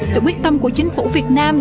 sự quyết tâm của chính phủ việt nam